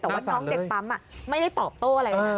แต่ว่าน้องเด็กปั๊มไม่ได้ตอบโต้อะไรนะ